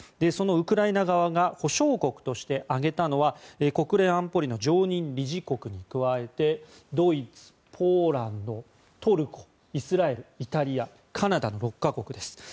そのウクライナ側が保証国として挙げたのは国連安保理の常任理事国に加えてドイツ、トルコ、ポーランドイスラエル、イタリア、カナダの６か国です。